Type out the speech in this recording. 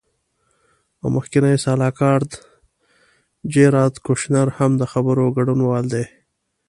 او مخکینی سلاکار جیراد کوشنر هم د خبرو ګډونوال دی.